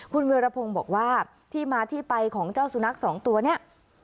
คุณวิรพงศ์บอกว่าที่มาที่ไปของเจ้าสุนัขสองตัวนี้